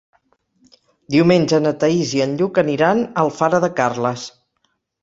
Diumenge na Thaís i en Lluc aniran a Alfara de Carles.